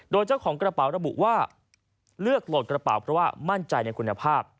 โดยเจ้าของกระเป๋าระบุว่าเลือกโหลดกระเป๋าเพราะว่ามั่นใจในคุณภาพ